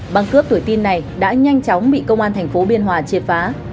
băng cướp tuổi tin này đã nhanh chóng bị công an thành phố biên hòa triệt phá